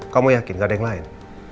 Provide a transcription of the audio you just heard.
kamu yakin gak ada yang lain